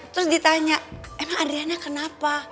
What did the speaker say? terus ditanya emang adriana kenapa